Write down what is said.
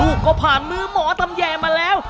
ลูกก็ผ่านมือหมอตำแยมาแล้ว